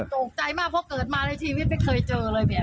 ตกใจมากเพราะเกิดมาในชีวิตไม่เคยเจอเลยเนี่ย